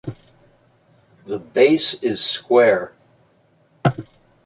The base is square.